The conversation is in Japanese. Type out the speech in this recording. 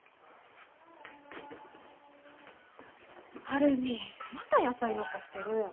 晴海また野菜残してる！